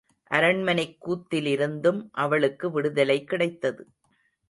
அரண்மனைக் கூத்திலிருந்தும் அவளுக்கு விடுதலை கிடைத்தது.